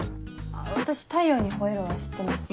私『太陽にほえろ！』は知ってます。